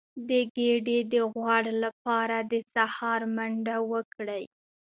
د ګیډې د غوړ لپاره د سهار منډه وکړئ